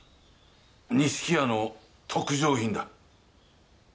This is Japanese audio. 錦屋の特上品だ。